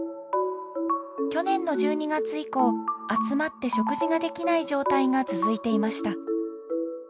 去年の１２月以降集まって食事ができない状態が続いていました。